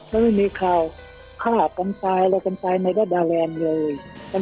มันไม่มีคราวฆ่ากันตายแล้วกันตายในรัฐดาลแรมเลย